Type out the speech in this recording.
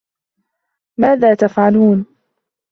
ماذا تفعلون ؟